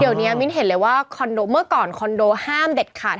เดี๋ยวนี้มิ้นเห็นเลยว่าคอนโดเมื่อก่อนคอนโดห้ามเด็ดขาด